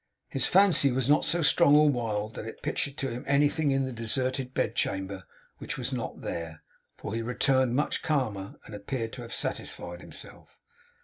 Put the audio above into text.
His fancy was not so strong or wild that it pictured to him anything in the deserted bedchamber which was not there; for he returned much calmer, and appeared to have satisfied himself.